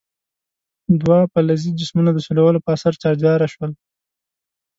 دوه فلزي جسمونه د سولولو په اثر چارجداره شول.